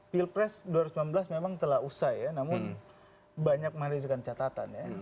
pilpres dua ribu sembilan belas memang telah usai ya namun banyak menghadirkan catatan ya